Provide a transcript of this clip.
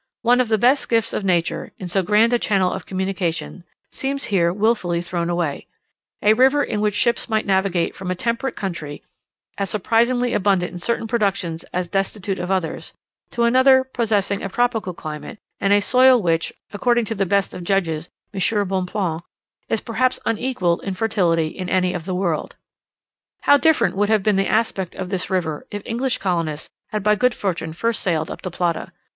One of the best gifts of nature, in so grand a channel of communication, seems here wilfully thrown away a river in which ships might navigate from a temperate country, as surprisingly abundant in certain productions as destitute of others, to another possessing a tropical climate, and a soil which, according to the best of judges, M. Bonpland, is perhaps unequalled in fertility in any part of the world. How different would have been the aspect of this river if English colonists had by good fortune first sailed up the Plata!